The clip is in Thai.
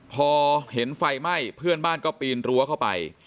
พอเห็นไฟไหม้เพื่อนบ้านก็ปีนรั้วเข้าไป